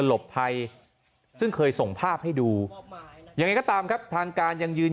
หลบภัยซึ่งเคยส่งภาพให้ดูยังไงก็ตามครับทางการยังยืน